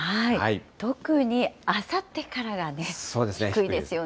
特にあさってからがね、低いですよね。